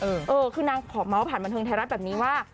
เออคือนางขอเมาส์ผ่านบันเทิงไทยรัฐแบบนี้ว่า